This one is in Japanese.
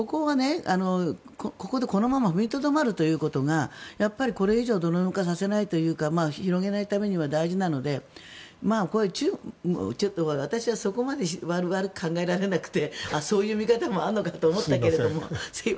このまま踏みとどまるということがこれ以上泥沼化させないというか広げないためには大事なので中国も私はそこまで悪く考えられなくてそういう見方もあるのかと思ったけど。